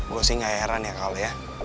gue sih gak heran ya kalau ya